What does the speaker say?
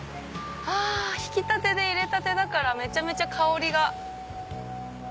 ひきたてで入れたてだからめちゃめちゃ香りが。